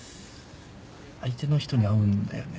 相手の人に会うんだよね？